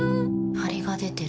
ハリが出てる。